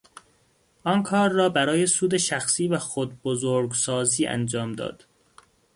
آن کار را برای سود شخصی و خود بزرگسازی انجام داد.